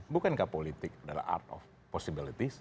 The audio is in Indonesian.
bukankah politik adalah art of possibilities